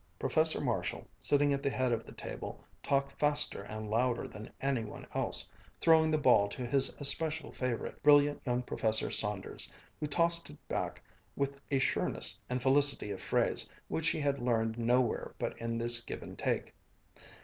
Professor Marshall, sitting at the head of the table, talked faster and louder than any one else, throwing the ball to his especial favorite, brilliant young Professor Saunders, who tossed it back with a sureness and felicity of phrase which he had learned nowhere but in this give and take.